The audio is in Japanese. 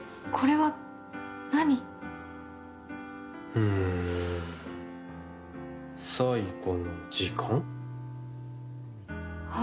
うん、最後の時間？